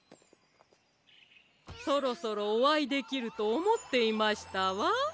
そろそろおあいできるとおもっていましたわ。